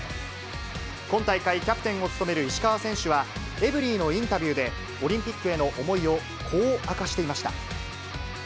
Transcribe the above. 今大会、キャプテンを務める石川選手は、エブリィのインタビューで、オリンピックへの思いをこう明かしていました。